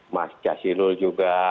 mas jazidul juga